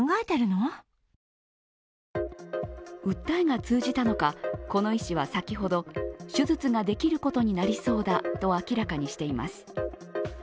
訴えが通じたのか、この医師は先ほど手術ができることになりそうだと明らかにしています。